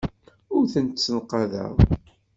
Ur tent-ssenqadeɣ.